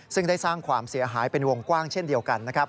ซึ่งได้สร้างความเสียหายเป็นวงกว้างเช่นเดียวกันนะครับ